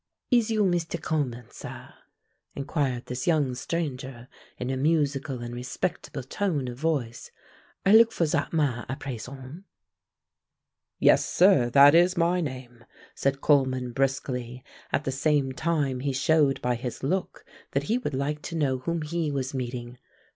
"Is you Meestu Coleman, sah?" inquired this young stranger in a musical and respectful tone of voice. "I look fo' zat ma' at prayson." "Yes, sir, that is my name," said Coleman briskly, at the same time he showed by his look that he would like to know whom he was meeting.